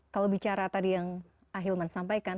kalau bicara tadi yang ahilman sampaikan